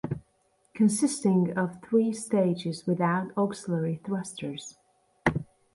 Consisting of three stages without auxiliary thrusters.